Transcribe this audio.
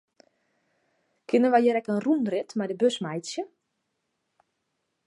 Kinne wy hjir ek in rûnrit mei de bus meitsje?